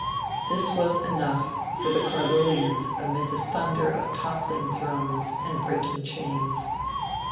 This was enough for the Carlyleans amid the thunder of toppling thrones and breaking chains.